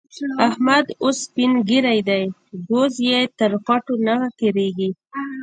احمد اوس سپين ږير دی؛ ګوز يې تر خوټو نه تېرېږي.